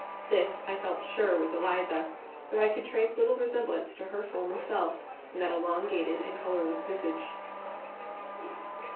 This I felt sure was Eliza, though I could trace little resemblance to her former self in that elongated and colourless visage.